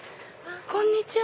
こんにちは。